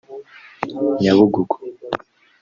Nyabugogo